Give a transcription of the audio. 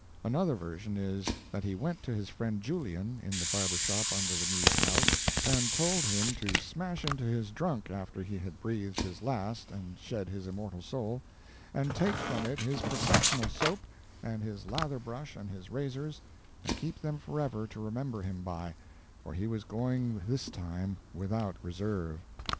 Another version is, that he went to his friend Jullien, in the barber shop under the Mead House, and told him to smash into his trunk after he had breathed his last and shed his immortal soul, and take from it his professional soap, and his lather brush and his razors, and keep them forever to remember him by, for he was going this time without reserve.